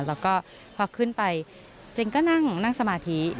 แล้วก็พอขึ้นไปเจนก็นั่งสมาธิ